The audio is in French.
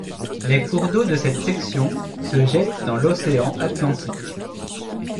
Les cours d'eau de cette section se jettent dans l'océan Atlantique.